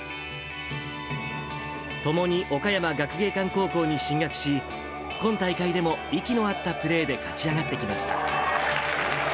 共に岡山学芸館高校に進学し、今大会でも息の合ったプレーで勝ち上がってきました。